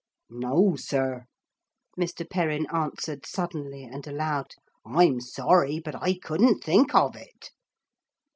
'No, sir,' Mr. Perrin answered suddenly and aloud. 'I'm sorry, but I couldn't think of it.'